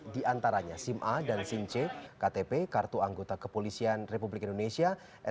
di antaranya sima dan since ktp kartu anggota kepolisian republik indonesia